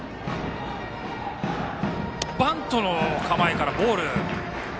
バントの構えから、ボール。